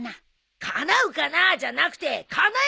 「かなうかな？」じゃなくてかなえるんだ！